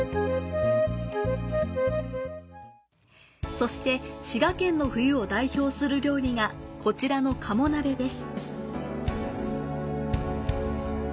そして滋賀県の冬を代表する料理が、こちらの鴨鍋です。